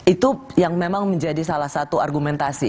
itu yang memang menjadi salah satu argumentasi